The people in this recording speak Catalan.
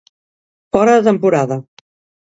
Fora de temporada.